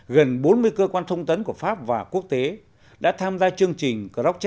gần bốn mươi cơ quan thông tấn của pháp và quốc tế đã tham gia chương trình croc